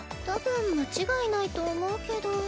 たぶん間違いないと思うけど。